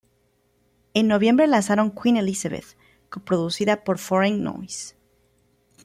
En noviembre lanzaron "Queen Elizabeth", coproducida por "Foreign Noi$e".